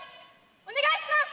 お願いします！